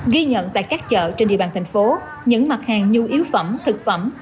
ghi nhận tại các chợ trên địa bàn thành phố những mặt hàng nhu yếu phẩm thực phẩm